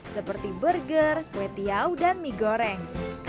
seperti burger kue tiau dan mie goreng